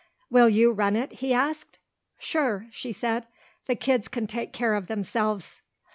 "Will you run it?" he asked. "Sure," she said. "The kids can take care of themselves."